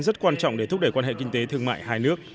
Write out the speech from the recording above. rất quan trọng để thúc đẩy quan hệ kinh tế thương mại hai nước